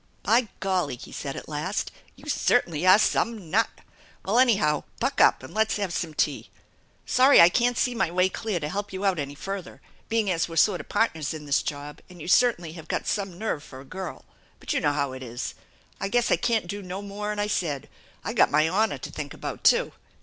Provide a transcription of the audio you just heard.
" By golly !" he said at last. " You certainly are some nut ! Well, anyhow, buck up, and let's have some tea. Sorry I can't see my way clear to help you out any further, being as we're sort of partners in this job and you certainly have got some nerve for a girl, but you know how it is. I guess I can't do no more'n I said. I got my honor to think about, too.